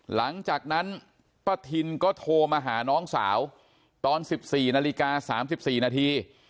หลังจากนั้นป้าทินก็โทรมาหาน้องสาวตอน๑๔นาฬิกา๓๔นาที